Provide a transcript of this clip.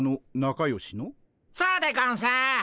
そうでゴンス。